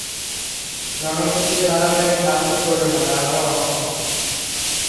রণক্ষেত্রে তারা তাকে সাহায্য করল না, কারণ তারা অক্ষম।